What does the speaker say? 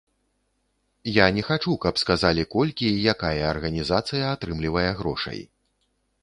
Я не хачу, каб сказалі, колькі і якая арганізацыя атрымлівае грошай.